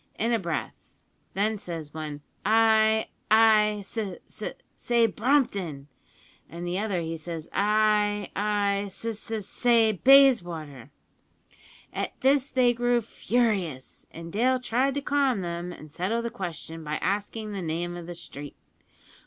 in a breath; then says one, `I I s s say Brompton!' an' the other, he says, `I I s s say Bayswater!' "At this they grew furious, and Dale tried to calm them and settle the question by asking the name of the street.